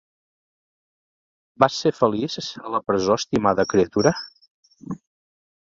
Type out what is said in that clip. Vas ser feliç a la presó, estimada criatura?